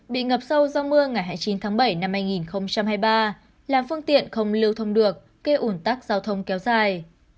bị ngập sâu do mưa ngày hai mươi chín tháng bảy năm hai nghìn hai mươi ba làm phương tiện không lưu thông được kê ủn tắc giao thông kéo dài